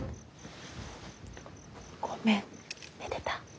ごめん寝てた？